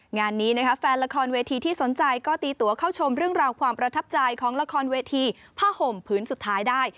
งานนี้นะคะแฟนละครเวทีที่สนใจก็ตีตัวเข้าชมเรื่องราวความประทับใจของละครเวทีผ้าห่มพื้นสุดท้ายได้